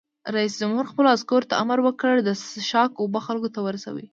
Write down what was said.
رئیس جمهور خپلو عسکرو ته امر وکړ؛ د څښاک اوبه خلکو ته ورسوئ!